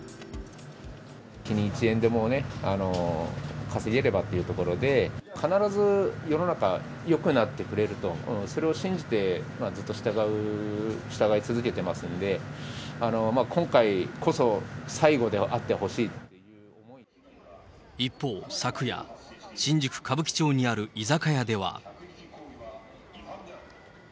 日に一円でも稼げればというところで、必ず世の中よくなってくれると、それを信じてずっと従い続けてますんで、今回こそ、一方、昨夜、新宿・歌舞伎町にある居酒屋では。